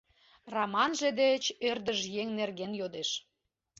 — Раманже деч ӧрдыж еҥ нерген йодеш.